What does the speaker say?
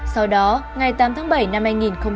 sau đó ngày tám tháng bảy năm hai nghìn hai mươi